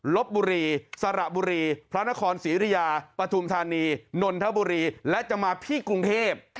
ลบบุรีสระบุรีพระนครศรีริยาปฐุมธานีนนทบุรีและจะมาที่กรุงเทพ